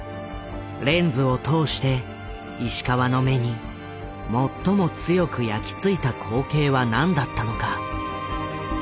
レンズを通して石川の目に最も強く焼き付いた光景は何だったのか。